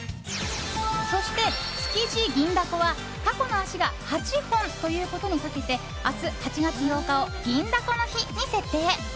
そして築地銀だこは、タコの足が８本ということにかけて明日８月８日を銀だこの日に設定！